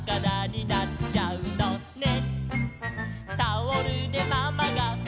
「くじらになっちゃうのね」